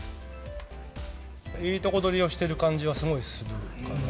いいとこ取りをしている感じはすごいするかな。